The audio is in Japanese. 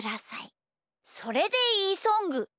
「それでいいソング」。